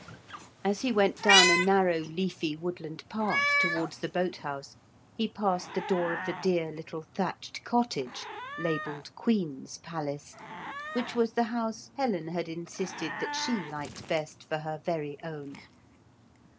As he went down a narrow leafy woodland path towards the boat house, he passed the door of the dear little thatched cottage (labelled Queen's Palace) which was the house Helen had insisted that she liked best for her very own.